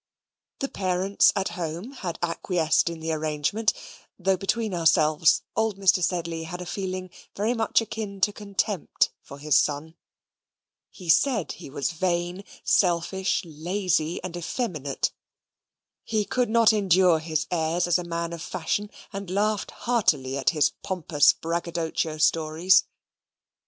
The parents at home had acquiesced in the arrangement, though, between ourselves, old Mr. Sedley had a feeling very much akin to contempt for his son. He said he was vain, selfish, lazy, and effeminate. He could not endure his airs as a man of fashion, and laughed heartily at his pompous braggadocio stories.